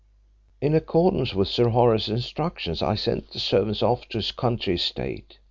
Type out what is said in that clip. "In accordance with Sir Horace's instructions, I sent the servants off to his country estate.